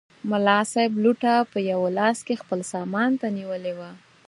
ملا صاحب لوټه په یوه لاس کې خپل سامان ته نیولې وه.